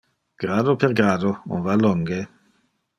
Grado per grado on va longe.